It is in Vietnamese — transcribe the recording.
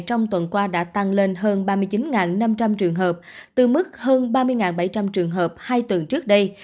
trong tuần qua đã tăng lên hơn ba mươi chín năm trăm linh trường hợp từ mức hơn ba mươi bảy trăm linh trường hợp hai tuần trước đây